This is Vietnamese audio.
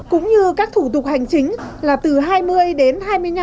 cũng như các thủ tục hành chính là từ hai mươi đến hai mươi năm